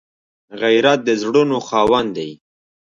غیرت د زړونو خاوند دی